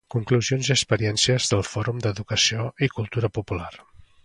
Conclusions i experiències del Fòrum d'educació i cultura popular.